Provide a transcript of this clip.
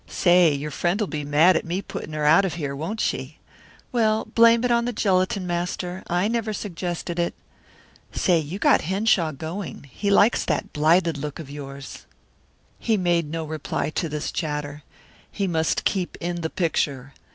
Say, your friend'll be mad at me putting her out of here, won't she? Well, blame it on the gelatin master. I never suggested it. Say, you got Henshaw going. He likes that blighted look of yours." He made no reply to this chatter. He must keep in the picture.